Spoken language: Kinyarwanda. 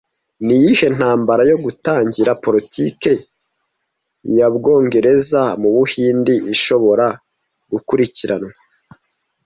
Ni iyihe ntambara yo gutangira politiki ya Bwongereza mu Buhinde ishobora gukurikiranwa